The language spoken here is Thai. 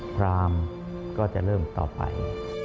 พรามก็จะเริ่มต่อไป